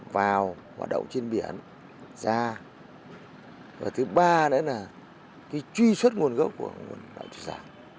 và thứ ba là truy xuất nguồn gốc của nguồn đạo thủy sản